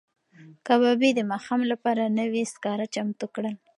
کبابي د ماښام لپاره نوي سکاره چمتو کړل.